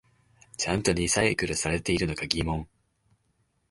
ちゃんとリサイクルされてるのか疑問